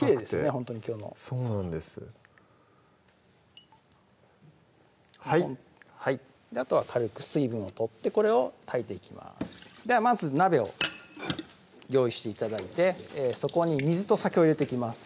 ほんとにきょうのさばはいはいあとは軽く水分を取ってこれを炊いていきますではまず鍋を用意して頂いてそこに水と酒を入れていきます